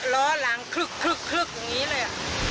ล้อหลังคึกอย่างนี้เลย